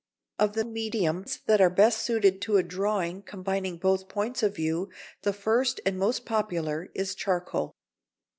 Of the mediums that are best suited to a drawing combining both points of view, the first and most popular is charcoal.